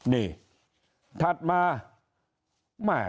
นี่ถัดมา